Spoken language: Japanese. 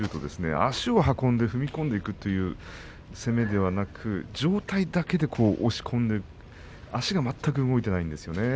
足を運んで踏み込んでいくという攻めではなく上体だけで押し込む足が全く踏み込んでいないんですね。